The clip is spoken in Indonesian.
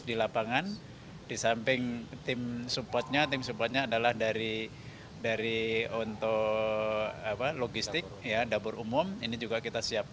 mis di lapangan di samping tim supportnya adalah dari logistik dapur umum ini juga kita siapkan